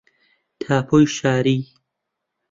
تاپۆی شاری